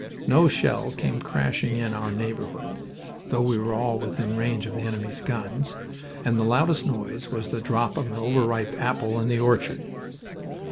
No shell same crashing in our neighborhood (though we were well within range of the enemy's guns), and the loudest noise was the drop of an over ripe apple in the orchard.